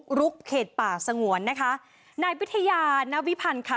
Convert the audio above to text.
รุกเขตป่าสงวนนะคะนายวิทยานวิพันธ์ค่ะ